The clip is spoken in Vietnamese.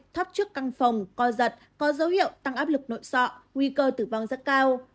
thoát trước căn phòng co giật có dấu hiệu tăng áp lực nội sọ nguy cơ tử vong rất cao